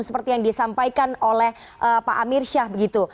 seperti yang disampaikan oleh pak amirsyah begitu